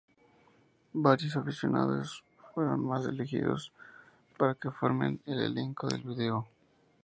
Varios aficionados más fueron elegidos para que formen el elenco del vídeo.